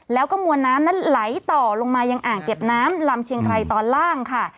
แล้วก็มวลน้ำนั้นไหลต่อลงมายังอ่างเก็บน้ำลำเชียงไกรตอนล่างค่ะ